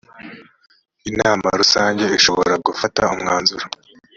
inama rusange ishobora gufata umwanzuro.